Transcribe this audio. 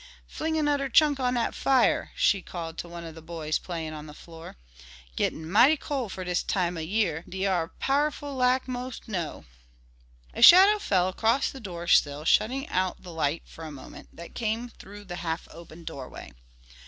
"Fling anudder chunk on dat fire!" she called to one of the boys playing on the floor. "Gittin' mighty cole fer dis time ob year, de a'r small pow'rful lack mo' snow." A shadow fell across the doorsill shutting out the light for a moment, that came through the half open doorway.